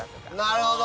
なるほど。